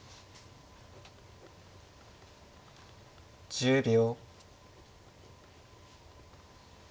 １０秒。